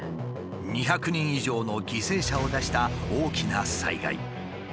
２００人以上の犠牲者を出した大きな災害。